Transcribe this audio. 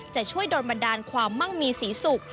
จะช่วยโดนบันดาลความมั่งมีศรีสุข